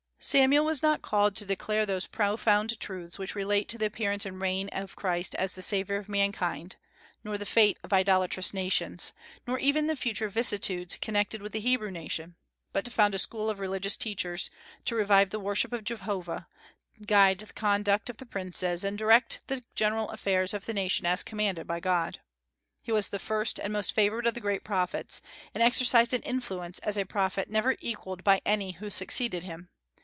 Samuel was not called to declare those profound truths which relate to the appearance and reign of Christ as the Saviour of mankind, nor the fate of idolatrous nations, nor even the future vicissitudes connected with the Hebrew nation, but to found a school of religious teachers, to revive the worship of Jehovah, guide the conduct of princes, and direct the general affairs of the nation as commanded by God. He was the first and most favored of the great prophets, and exercised an influence as a prophet never equalled by any who succeeded him.